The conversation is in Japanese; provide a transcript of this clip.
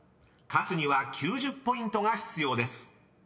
勝つには９０ポイントが必要です］